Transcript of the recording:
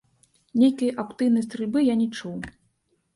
Нейкі актыўнай стральбы я не чуў.